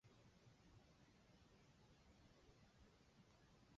驹泽大学玉川校区所在地。